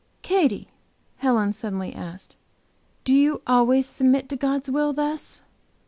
"Katy," Helen suddenly asked, "do you always submit to God's will thus?"